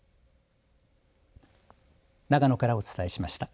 長野からお伝えしました。